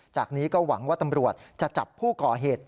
จากนี้ก็หวังว่าตำรวจจะจับผู้ก่อเหตุ